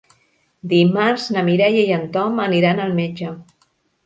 Dimarts na Mireia i en Tom aniran al metge.